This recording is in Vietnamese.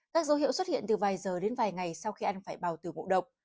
các dấu hiệu xuất hiện từ vài giờ đến vài ngày sau khi ăn phải bào từ ngộ độc